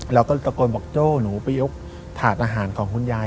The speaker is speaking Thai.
เราก็ตะโกนบอกโจ้หนูไปยกถาดอาหารของคุณยาย